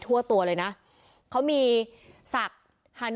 อุทธิวัฒน์อิสธิวัฒน์